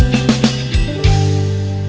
apa perasaan aku aja